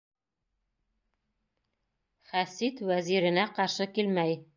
Хәсид вәзиренә ҡаршы килмәй.